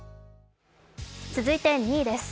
続いて２位です。